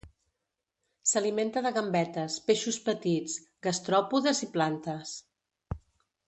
S'alimenta de gambetes, peixos petits, gastròpodes i plantes.